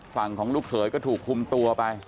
ฝั่งของลูกเขยก็ถูกคุมตัวไป